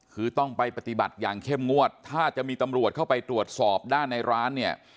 คือต้องไปปฏิบัติอย่างเข้มงวดถ้าจะมีตำรวจเข้าไปตรวจสอบด้านในร้านเนี่ย